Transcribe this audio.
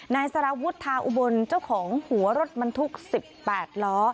นายสารวุฒิทาอุบลเจ้าของหัวรถมันทุกสิบแปดล้อ